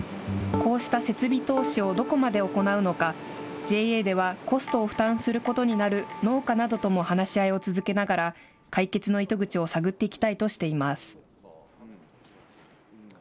こうした設備投資をどこまで行うのか、ＪＡではコストを負担することになる農家などとも話し合いを続けながら、解決の糸口を探っていきたいとしています。